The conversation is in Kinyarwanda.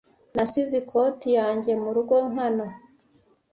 Nasize ikoti yanjye murugo nkana.